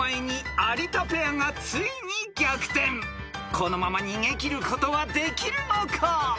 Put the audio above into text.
［このまま逃げ切ることはできるのか？］